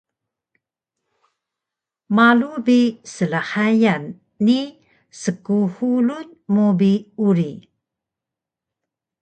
Malu bi slhayan ni skxulun mu bi uri